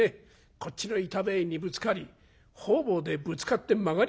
こっちの板塀にぶつかり方々でぶつかって曲がりくねってね